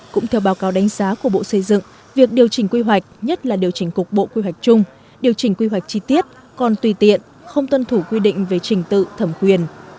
cũng theo báo cáo đánh giá của bộ xây dựng việc điều chỉnh quy hoạch nhất là điều chỉnh cục bộ quy hoạch chung điều chỉnh quy hoạch chi tiết còn tùy tiện không tuân thủ quy định về trình tự thẩm quyền